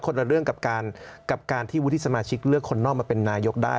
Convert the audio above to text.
ละเรื่องกับการกับการที่วุฒิสมาชิกเลือกคนนอกมาเป็นนายกได้